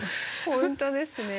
本当ですね。